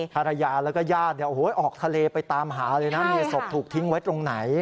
ภรรยาแล้วก็ญาติออกทะเลไปตามหาเลยนะเมียศพถูกทิ้งไว้ตรงไหน